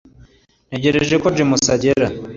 Ntegereje ko James agera